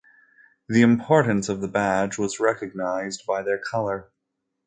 The importance of the badge was recognized by their color.